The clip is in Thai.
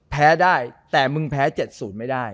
แพ้ได้แต่มึงแพ้๗๐ไม่ได้